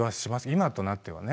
今となってはね。